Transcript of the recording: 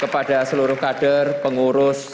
kepada seluruh kader pengurus